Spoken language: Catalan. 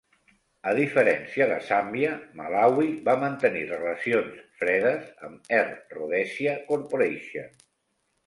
A diferència de Zàmbia, Malawi va mantenir relacions "fredes" amb Air Rhodesia Corporation.